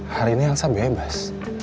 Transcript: hari ini yang sebebas